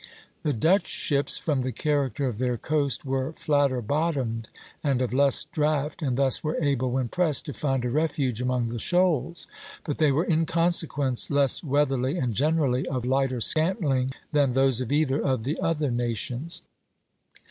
The Dutch ships, from the character of their coast, were flatter bottomed and of less draught, and thus were able, when pressed, to find a refuge among the shoals; but they were in consequence less weatherly and generally of lighter scantling than those of either of the other nations.